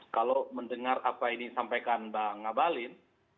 kalau mendengar apa ini disampaikan bang ngabalin